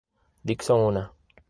Dixon una.